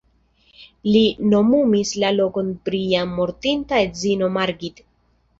Li nomumis la lokon pri jam mortinta edzino Margit.